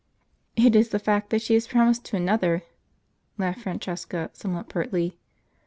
"It is the fact that she is promised to another," laughed Francesca somewhat pertly.